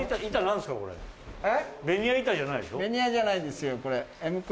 ベニヤじゃないですよこれ。